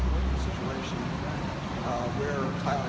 เชื่อมันต้องกับทิว